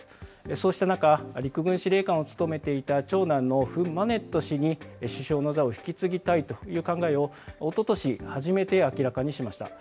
そうした中、陸軍司令官を務めていた長男のフン・マネット氏に、首相の座を引き継ぎたいという考えを、おととし、初めて明らかにしました。